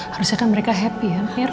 harusnya kan mereka happy ya